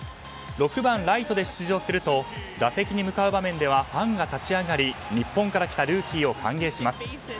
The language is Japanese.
６番ライトで出場すると打席に向かう場面ではファンが立ち上がり日本から来たルーキーを歓迎します。